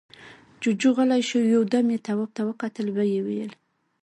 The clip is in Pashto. جُوجُو غلی شو، يو دم يې تواب ته وکتل، ويې ويل: